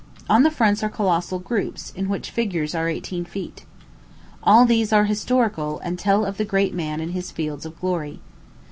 On the fronts are colossal groups, in which the figures are eighteen feet. All these are historical, and tell of the great man in his fields of glory.